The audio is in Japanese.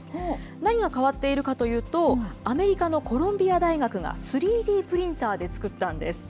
何が変わっているかというと、アメリカのコロンビア大学が３Ｄプリンターで作ったんです。